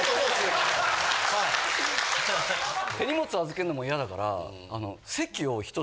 手荷物預けんのも嫌だから。